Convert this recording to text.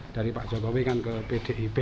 dari pak jokowi kan ke pdip